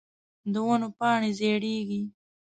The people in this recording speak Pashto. د ونو پاڼی زیړیږې